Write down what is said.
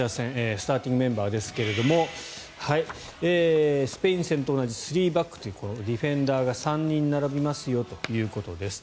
スターティングメンバーですがスペイン戦と同じ３バックというディフェンダーが３人並びますよということです。